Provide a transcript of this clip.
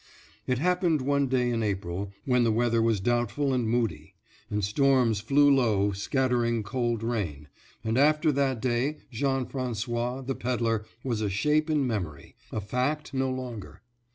It happened one day in April, when the weather was doubtful and moody, and storms flew low, scattering cold rain, and after that day Jean François, the pedler, was a shape in memory, a fact no longer.